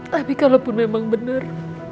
tapi kalaupun memang benar